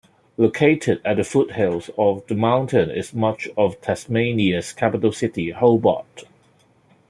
Located at the foothills of the mountain is much of Tasmania's capital city, Hobart.